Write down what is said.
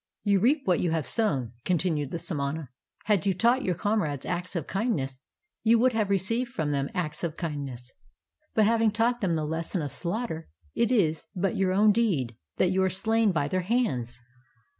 "You reap what you have sown," continued the samana; "had you taught your comrades acts of kind ness, you would have received from them acts of kind ness; but ha\'ing taught them the lesson of slaughter, it is but your own deed that you are slain by their hands."